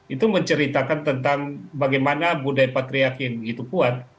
itu menceritakan tentang bagaimana budaya patriarki yang begitu kuat